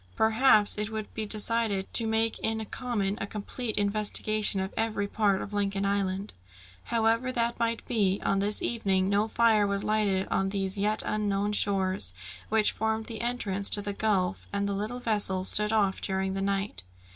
Perhaps it would be decided to make in common a complete investigation of every part of Lincoln Island. However that might be, on this evening no fire was lighted on these yet unknown shores, which formed the entrance to the gulf, and the little vessel stood off during the night.